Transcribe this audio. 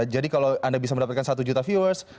jadi kalau anda bisa mendapatkan satu juta viewers